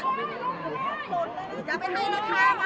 ต้องใจร่วม